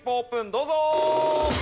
どうぞ！